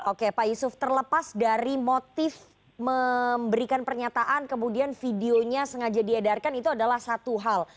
oke pak yusuf terlepas dari motif memberikan pernyataan kemudian videonya sengaja diedarkan itu adalah satu hal